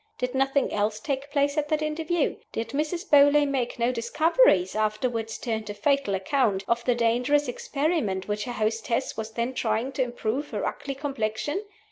Did nothing else take place at that interview? Did Mrs. Beauly make no discoveries (afterward turned to fatal account) of the dangerous experiment which her hostess was then trying to improve her ugly complexion?